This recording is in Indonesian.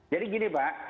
jadi gini pak